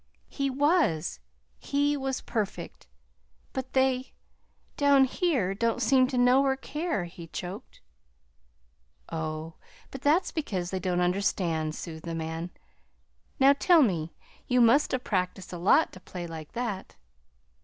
"He was he was perfect! But they down here don't seem to know or care," he choked. "Oh, but that's because they don't understand," soothed the man. "Now, tell me you must have practiced a lot to play like that."